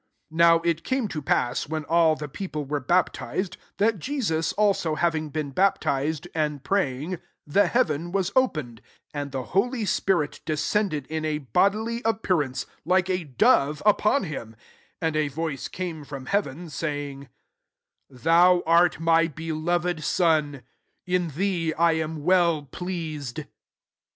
21 NOW it came to pass when all the people were bap tized, that Jesus also having been baptized, and praying, the heaven was opened ; 22 and the holy spirit descended in a bodily appearance, like a dove, upon him; and a voice came from heaven, \jaying^'\ " Thou art my beloved son ; in thee I am well pleased."